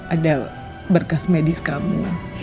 ada berkas medis kamu